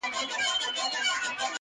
څنگه درد دی، څنگه کيف دی، څنگه راز دی~